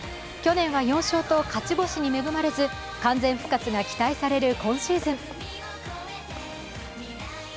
去年は４勝と、勝ち星に恵まれず完全復活が期待される今シーズン。